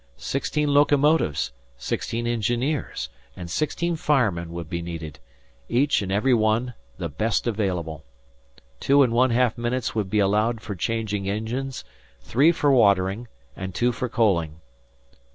Sixteen locomotives, sixteen engineers, and sixteen firemen would be needed each and every one the best available. Two and one half minutes would be allowed for changing engines, three for watering, and two for coaling.